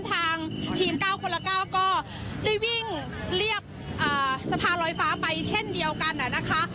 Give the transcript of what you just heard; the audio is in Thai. ทางทีม๙คนละ๙ก็ได้วิ่งเรียบสะพานลอยฟ้าไปเช่นเดียวกันนะคะ